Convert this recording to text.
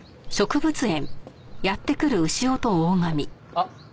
あっ！